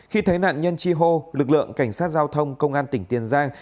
khi thấy nạn nhân chi hô lực lượng cảnh sát giao thông công an tỉnh tiền giang